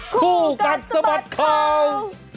คู่กันสมัดของ